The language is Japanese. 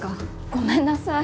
ごめんなさい！